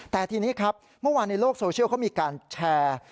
แต่ทีนี้ครับเมื่อวานในโลกโซเชียลเขามีการแชร์